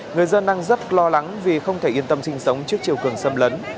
người dân đang rất lo lắng vì không thể yên tâm sinh sống trước chiều cường xâm lấn